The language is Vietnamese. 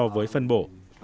với phân bổ